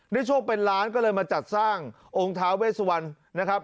โชคเป็นล้านก็เลยมาจัดสร้างองค์ท้าเวสวันนะครับ